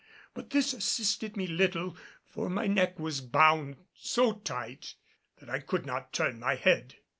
But this assisted me little, for my neck was bound so tight that I could not turn my head.